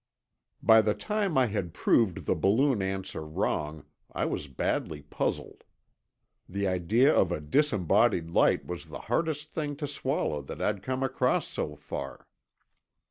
By the time I had proved the balloon answer wrong, I was badly puzzled. The idea of a disembodied light was the hardest thing to swallow that I'd come across so far.